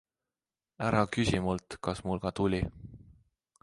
Ära küsi mult, kas mul ka tuli.